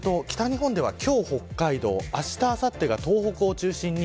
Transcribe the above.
北日本では今日北海道あした、あさってが東北を中心に